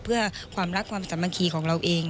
เพื่อความรักความสามัคคีของเราเอง